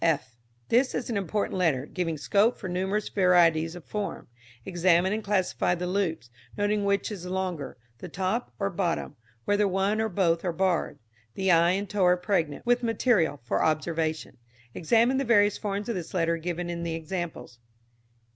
f. This is an important letter, giving scope for numerous varieties of form. Examine and classify the loops, noting which is the longer the top or bottom; whether one or both are barred. The eye and toe are pregnant with material for observation. Examine the various forms of this letter given in the examples.